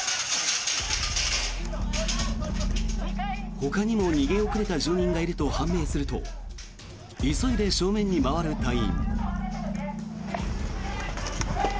ほかにも逃げ遅れた住人がいると判明すると急いで正面に回る隊員。